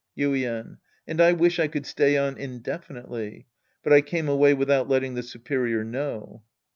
Yuien. And I wish I could stay on indefinitely, but I eanie away without letting the superior know.